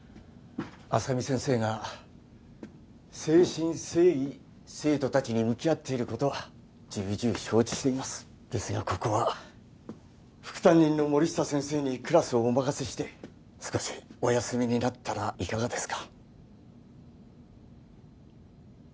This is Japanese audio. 浅見先生が誠心誠意生徒達に向き合っていることは重々承知していますですがここは副担任の森下先生にクラスをお任せして少しお休みになったらいかがですか？